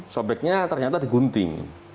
sobeknya ternyata digunting